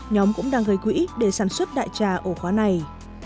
nhóm cũng đang gây quỹ để sản xuất đại trà ổ khóa này